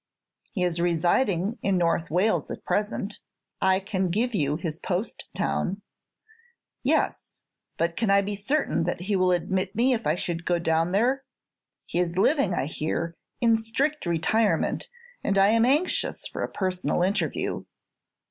"He is residing in North Wales at present. I can give you his post town." "Yes, but can I be certain that he will admit me if I should go down there? He is living, I hear, in strict retirement, and I am anxious for a personal interview."